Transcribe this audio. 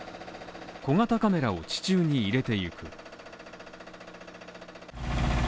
小型カメラを地中に入れていく。